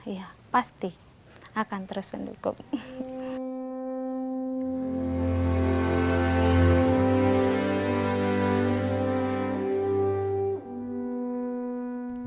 ya pasti akan terus mendukung